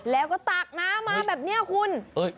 แล้วก็ตักน้ำมาแบบนี้คุณ